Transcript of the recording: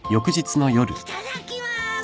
いただきまーす！